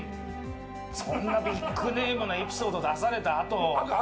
そんなビッグネームなエピソードを出されたあと。